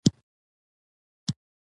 پیاز د کوفتې سره پخیږي